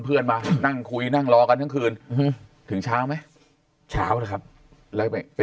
เพื่อนมานั่งคุยนั่งรอกันทั้งคืนถึงเช้าไหมเช้านะครับแล้วไป